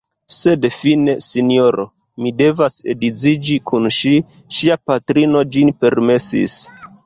Sed fine, sinjoro, mi devas edziĝi kun ŝi; ŝia patrino ĝin permesis.